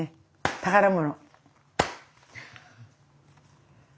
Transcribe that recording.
宝物。